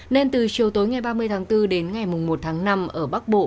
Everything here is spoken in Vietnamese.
nên từ chiều tối ngày ba mươi tháng bốn đến ngày một tháng năm ở bắc bộ